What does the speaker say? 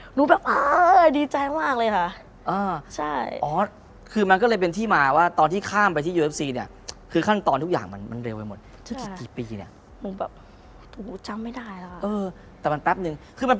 หนูแบบตั้งใจซ้อมมาก